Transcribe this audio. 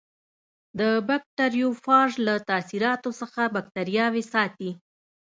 د بکټریوفاژ له تاثیراتو څخه باکتریاوې ساتي.